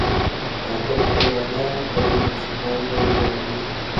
ادب په مانا او منځپانګه ولاړ وي.